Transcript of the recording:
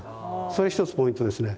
それ一つポイントですね。